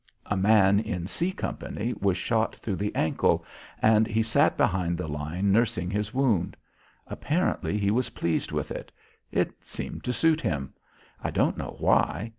A man in C company was shot through the ankle and he sat behind the line nursing his wound. Apparently he was pleased with it. It seemed to suit him. I don't know why.